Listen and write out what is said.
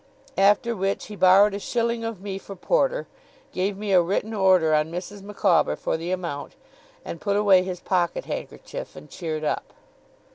After which he borrowed a shilling of me for porter, gave me a written order on Mrs. Micawber for the amount, and put away his pocket handkerchief, and cheered up.